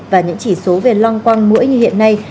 và những chỉ số về loang quang mũi như hiện nay